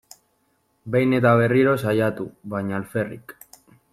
Behin eta berriro saiatu, baina alferrik.